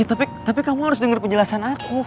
ya tapi kamu harus denger penjelasan aku